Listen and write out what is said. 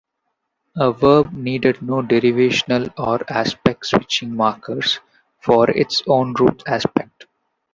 A verb needed no derivational or aspect-switching markers for its own root aspect.